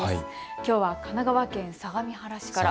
きょうは神奈川県相模原市から。